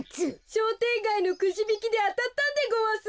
しょうてんがいのくじびきであたったんでごわす。